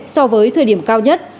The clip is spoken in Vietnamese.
so với thời điểm cao nhất